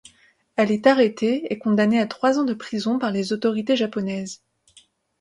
Elle est arrêtée et condamnée à trois ans de prison par les autorités japonaises.